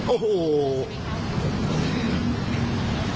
โอ้โห